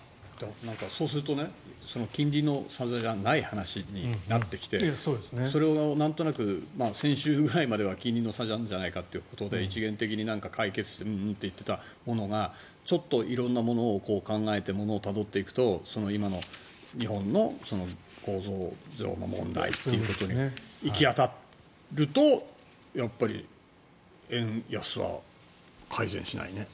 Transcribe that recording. そうすると金利の差じゃない話になってきてそれをなんとなく先週までは金利の差なんじゃないかってことなので一元的に解決してうんうんって言っていたものがちょっと色んなものを考えてものをたどっていくと今の日本の構造上の問題ということに行き当たるとやっぱり円安は改善しないね。